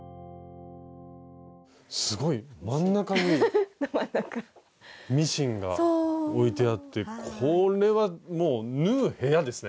すごい真ん中にミシンが置いてあってこれはもう「縫う部屋」ですね。